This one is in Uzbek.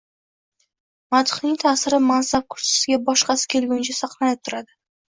Madhning ta’siri mansab kursisiga boshqasi kelgunicha saqlanib turadi.